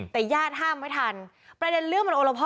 แต่ญาติห้ามไม่ทันประเด็นเรื่องมันโอละพ่อ